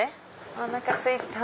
おなかすいた！